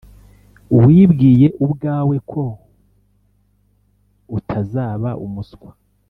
wibwiye ubwawe ko utazaba umuswa